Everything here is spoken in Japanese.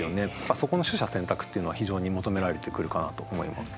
そこの取捨選択っていうのは非常に求められてくるかなと思います。